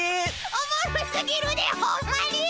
おもろすぎるでホンマに！